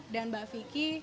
dan mbak vicky